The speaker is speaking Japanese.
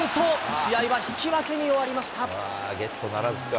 試合は引き分けに終わりました。